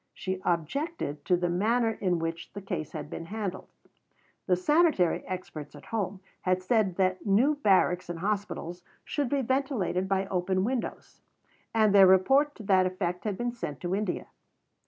She objected to the manner in which the case had been handled. The sanitary experts at home had said that new barracks and hospitals should be ventilated by open windows, and their report to that effect had been sent to India.